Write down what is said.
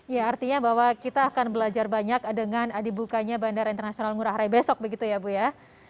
ya artinya bahwa kita akan belajar banyak dengan dibukanya bandara internasional ngurah rai besok begitu ya bu ya